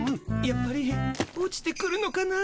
やっぱり落ちてくるのかな。